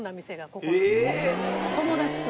友達と。